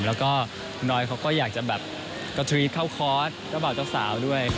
แล้วก็น้อยเขาก็อยากจะแบบกระทรีทเข้าคอร์สเจ้าบ่าวเจ้าสาวด้วย